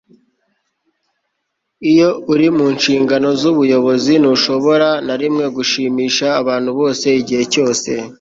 iyo uri mu nshingano z'ubuyobozi, ntushobora na rimwe gushimisha abantu bose igihe cyose